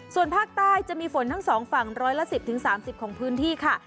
ส่วนภาคใต้จะมีฝนทั้ง๒ฝั่ง๑๑๐๓๐ของพื้นที่ค่ะ